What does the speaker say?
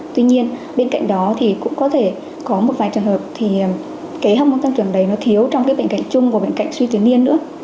tuy nhiên bên cạnh đó thì cũng có thể có một vài trường hợp thì cái hốc môn tăng trưởng đấy nó thiếu trong cái bệnh cạnh chung và bệnh cạnh suy tuyên niên nữa